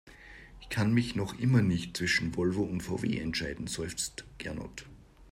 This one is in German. Ich kann mich noch immer nicht zwischen Volvo und VW entscheiden, seufzt Gernot.